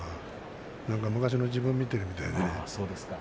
昔の自分を見てるみたいで。